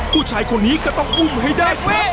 ผู้ชายคนนี้ก็ต้องอุ้มให้ได้